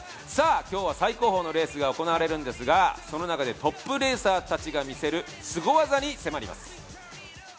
今日は最高峰のレースが行われるんですがその中でトップレーサーたちが見せるスゴ技に迫ります。